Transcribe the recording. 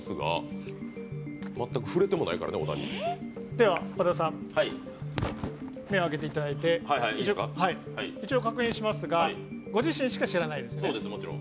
では小田さん、目を開けていただいて、一応確認しますがご自身しか知らないですね？